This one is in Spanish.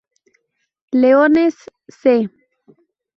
Leones "C"